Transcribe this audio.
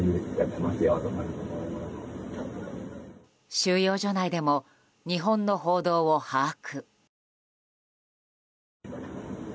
収容所内でも日本の報道を把握。